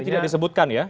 jadi tidak disebutkan ya